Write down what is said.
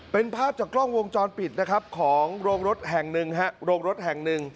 เป็นภาพจากกล้องวงจรปิดของโรงรถแห่งนึง